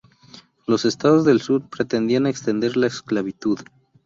Los estados del sur pretendían extender la esclavitud.